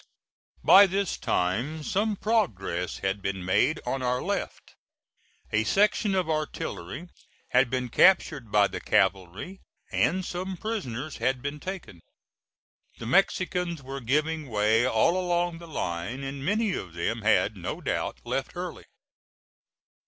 By this time some progress had been made on our left. A section of artillery had been captured by the cavalry, and some prisoners had been taken. The Mexicans were giving way all along the line, and many of them had, no doubt, left early.